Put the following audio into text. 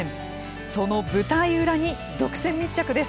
その舞台裏に独占密着です。